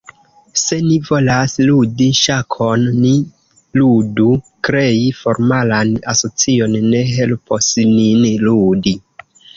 Se ni volas ludi ŝakon, ni ludu, krei formalan asocion ne helpos nin ludi.